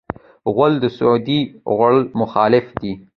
غول د سودي خوړو مخالف دی.